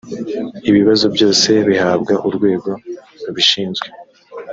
ibibazo byose bihabwa urwego rubishinzwe.